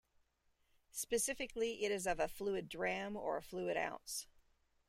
Specifically it is of a fluidram or of a fluid ounce.